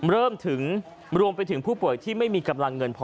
เริ่มถึงรวมไปถึงผู้ป่วยที่ไม่มีกำลังเงินพอ